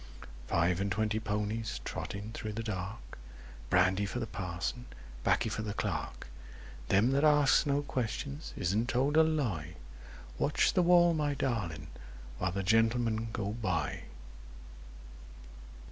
Five and twenty ponies, Trotting through the dark— Brandy for the Parson, 'Baccy for the Clerk; Them that asks no questions isn't told a lie— Watch the wall, my darling, while the Gentlemen go by!